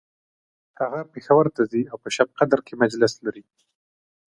هغه پیښور ته ځي او په شبقدر کی مجلس لري